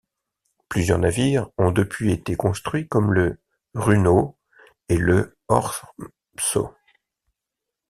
Plusieurs navires ont depuis été construits comme le Runö et le Ormsö.